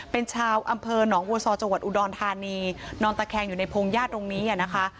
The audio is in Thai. เป็นชาวอำเภอหนองบัวซอจังหวัดอุดรธานีนอนตะแคงอยู่ในพงญาติตรงนี้นะคะ